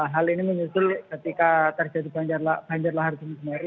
hal ini menyusul ketika terjadi banjir lahar gunung semeru